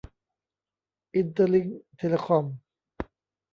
อินเตอร์ลิ้งค์ เทเลคอม